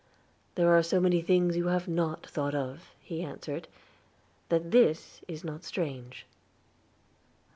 "There are so many things you have not thought of," he answered, "that this is not strange."